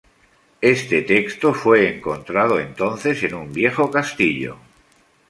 Este texto fue encontrado entonces en un viejo castillo.